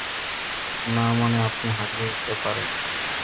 না, মানে আপনি হারিয়ে যেতে পারেন।